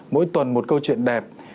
mỗi tuần một câu chuyện đẹp